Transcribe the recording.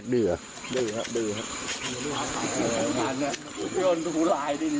ดื้อครับครับ